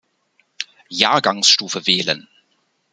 Jahrgangsstufe wählen.